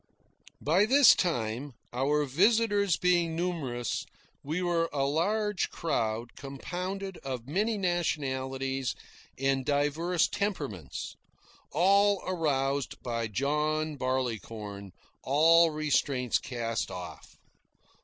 By this time, our visitors being numerous, we were a large crowd compounded of many nationalities and diverse temperaments, all aroused by John Barleycorn, all restraints cast off.